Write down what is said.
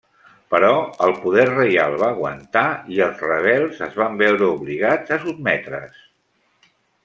Però el poder reial va aguantar i els rebels es van veure obligats a sotmetre's.